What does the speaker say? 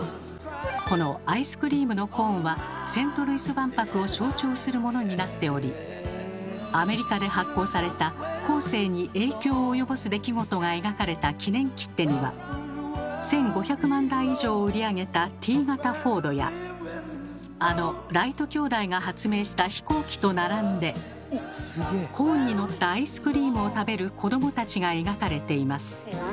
このアイスクリームのコーンはセントルイス万博を象徴するものになっておりアメリカで発行された「後世に影響を及ぼす出来事」が描かれた記念切手には１，５００万台以上を売り上げたＴ型フォードやあのライト兄弟が発明した飛行機と並んでコーンにのったアイスクリームを食べる子供たちが描かれています。